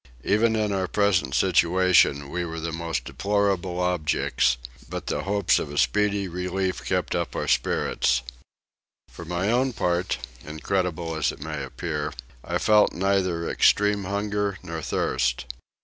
Even in our present situation we were most deplorable objects; but the hopes of a speedy relief kept up our spirits. For my own part, incredible as it may appear, I felt neither extreme hunger nor thirst.